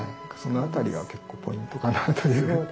その辺りが結構ポイントかなという。